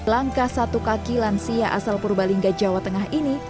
langkah satu kaki lansia asal purbalingga jawa tengah ini